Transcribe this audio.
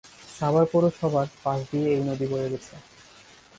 সাভার পৌরসভার পাশ দিয়ে এই নদী বয়ে গেছে।